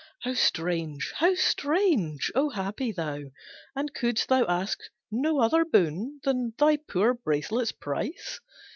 "How strange! How strange! Oh happy thou! And couldst thou ask no other boon Than thy poor bracelet's price?